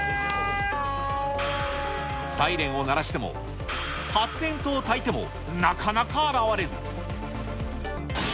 サイレンを鳴らしても、発煙筒をたいてもなかなか現れず。